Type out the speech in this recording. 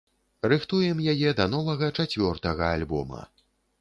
Рыхтуем яе да новага, чацвёртага альбома.